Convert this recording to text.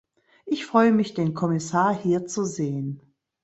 Ich freue mich, den Kommissar hier zu sehen.